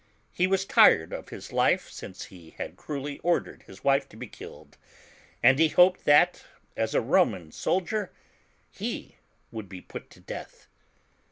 He was tired of his life since he had cruelly ordered his wife to be killed, and he hoped that, as a Roman soldier, he would be put to death.